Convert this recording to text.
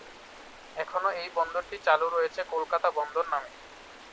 এখনও এই বন্দরটি চালু রয়েছে কলকাতা বন্দর নামে।